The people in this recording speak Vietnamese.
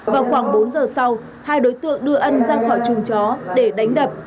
vào khoảng bốn giờ sau hai đối tượng đưa ân ra khỏi trùng chó để đánh đập